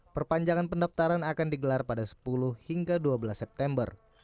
perpanjangan pendaftaran akan digelar pada sepuluh hingga dua belas september